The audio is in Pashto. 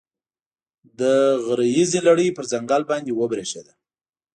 د غره ییزې لړۍ پر ځنګل باندې وبرېښېده.